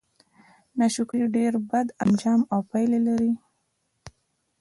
د ناشکرۍ ډير بد آنجام او پايله ده